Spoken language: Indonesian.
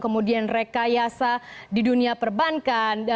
kemudian rekayasa di dunia perbankan